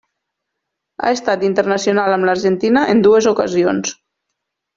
Ha estat internacional amb l'Argentina en dues ocasions.